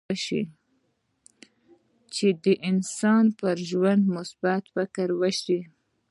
چې د انسان پر ژوند مثبت فکر وشي.